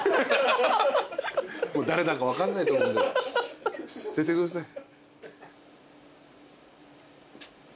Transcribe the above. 誰だか分かんないと思うんで捨ててください。